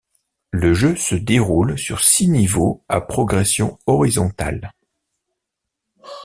Le jeu se déroule sur six niveaux à progression horizontale.